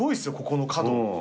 ここの角。